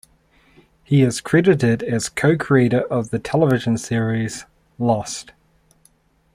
He is credited as a co-creator of the television series "Lost".